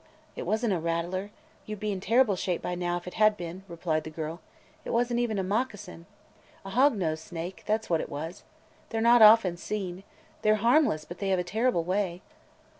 It was n't a rattler! You 'd be in terrible shape by now if it had been," replied the girl. "It was n't even a moccasin. A hog nosed snake – that 's what it was. They 're not often seen. They 're harmless, but they have a terrible way!"